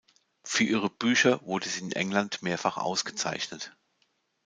Für ihre Bücher wurde sie in England mehrfach ausgezeichnet.